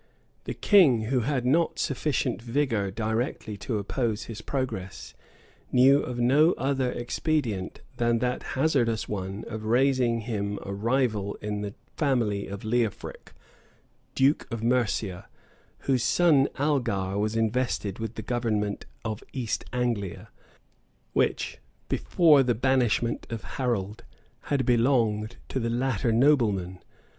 The king, who had not sufficient vigor directly to oppose his progress, knew of no other expedient than that hazardous one of raising him a rival in the family of Leofric, duke of Mercia, whose son Algar was invested with the government of East Anglia, which, before the banishment of Harold, had belonged to the latter nobleman.